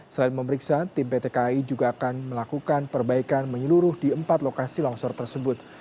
selain memeriksa tim pt kai juga akan melakukan perbaikan menyeluruh di empat lokasi longsor tersebut